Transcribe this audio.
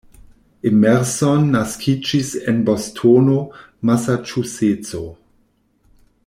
Emerson naskiĝis en Bostono, Masaĉuseco.